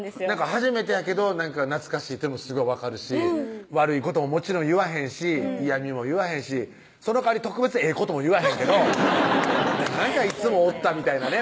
初めてやけど懐かしいというのもすごい分かるし悪いことももちろん言わへんし嫌みも言わへんしその代わり特別ええことも言わへんけどなんかいつもおったみたいなね